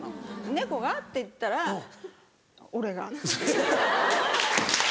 「猫が？」って言ったら「俺が」。